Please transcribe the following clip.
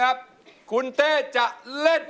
ครับมีแฟนเขาเรียกร้อง